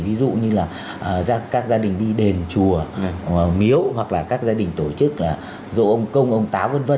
ví dụ như là các gia đình đi đền chùa miếu hoặc là các gia đình tổ chức dỗ ông công ông táo v v